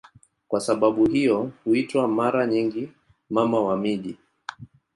Kwa sababu hiyo huitwa mara nyingi "Mama wa miji".